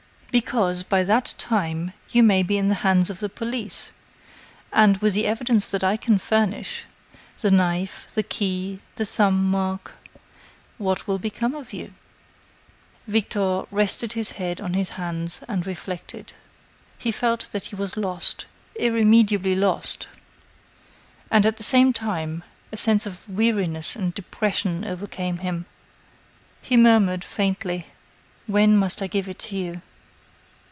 "Because by that time you may be in the hands of the police, and, with the evidence that I can furnish the knife, the key, the thumb mark what will become of you?" Victor rested his head on his hands and reflected. He felt that he was lost, irremediably lost, and, at the same time, a sense of weariness and depression overcame him. He murmured, faintly: "When must I give it to you?"